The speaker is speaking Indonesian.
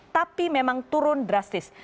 tapi memang turun drastis